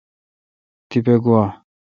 تیپہ گوا۔